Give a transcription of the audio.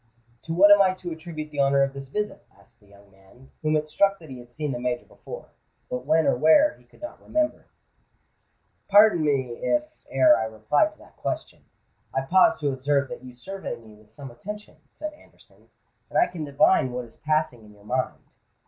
"To what am I to attribute the honour of this visit?" asked the young man, whom it struck that he had seen the Major before—but when or where he could not remember. "Pardon me if, ere I reply to that question, I pause to observe that you survey me with some attention," said Anderson; "and I can divine what is passing in your mind.